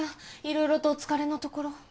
色々とお疲れのところ。